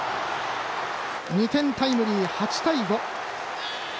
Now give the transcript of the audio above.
２点タイムリー８対５。